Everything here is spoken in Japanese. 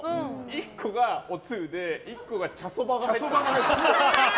１個がおつゆで１個が茶そばが入ってたの。